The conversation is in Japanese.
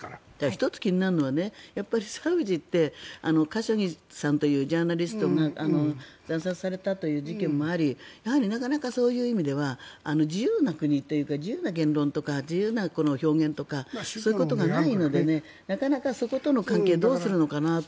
１つ気になるのはサウジってカショギさんというジャーナリストが暗殺された事件もありやはりなかなかそういう意味では自由な国というか自由な表現とかそういうことがないのでなかなかそことの関係をどうするかという。